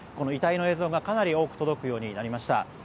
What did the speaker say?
遺体の映像が、かなり多く届くようになりました。